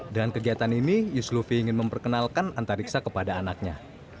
dengan kegiatan ini yusluvi ingin memperkenalkan antariksa kepada anaknya